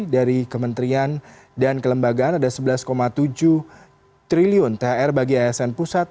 dari kementerian dan kelembagaan ada sebelas tujuh triliun thr bagi asn pusat